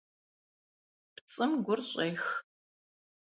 ПцIым гур щIех.